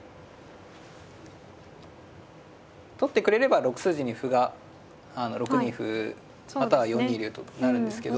取ってくれれば６筋に歩が６二歩または４二竜となるんですけど。